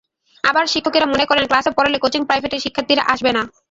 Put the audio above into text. আবার শিক্ষকেরা মনে করেন, ক্লাসে পড়ালে কোচিং প্রাইভেটে শিক্ষার্থীরা আসবে না।